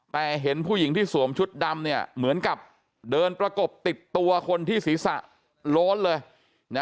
แต่เห็นผู้หญิงที่สวมชุดดำเนี่ยเหมือนกับเดินประกบติดตัวคนที่ศีรษะโล้นเลยนะ